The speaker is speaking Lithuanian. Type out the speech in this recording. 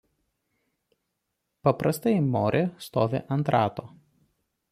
Paprastai Morė stovi ant rato.